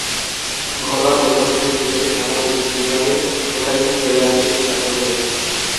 ঘরোয়া প্রথম শ্রেণীর ক্রিকেটে ঢাকা বিভাগের ওটাই হয়ে আছে শেষ সাফল্য।